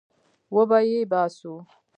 وبې يې باسو.